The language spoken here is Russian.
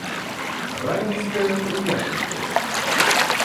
Раменское — приятный город